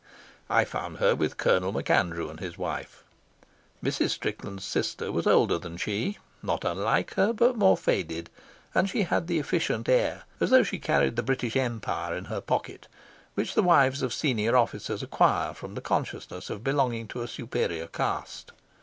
I found her with Colonel MacAndrew and his wife. Mrs. Strickland's sister was older than she, not unlike her, but more faded; and she had the efficient air, as though she carried the British Empire in her pocket, which the wives of senior officers acquire from the consciousness of belonging to a superior caste.